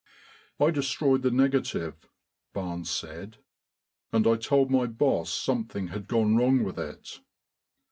"I destroyed the negative," Barnes said, "and I told my boss something had gone wrong with it.